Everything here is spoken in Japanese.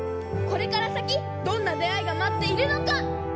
これからさきどんなであいがまっているのか！？